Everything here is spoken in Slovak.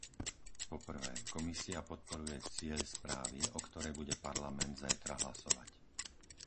Po prvé, Komisia podporuje cieľ správy, o ktorej bude Parlament zajtra hlasovať.